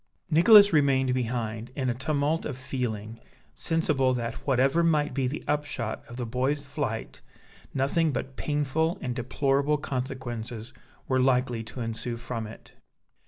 Nicholas remained behind, in a tumult of feeling, sensible that whatever might be the upshot of the boy's flight, nothing but painful and deplorable consequences were likely to ensue from it.